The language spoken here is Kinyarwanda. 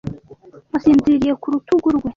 wasinziriye ku rutugu rwe